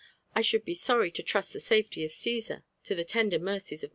I sboald be sorry to trust the safety of Caaar to the lender nereiea of M ra.